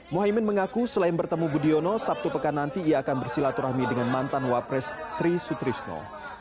muhaymin mengaku selain bertemu budiono sabtu pekan nanti ia akan bersilaturahmi dengan mantan wapres tri sutrisno